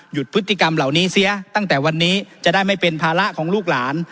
พฤติกรรมเหล่านี้เสียตั้งแต่วันนี้จะได้ไม่เป็นภาระของลูกหลาน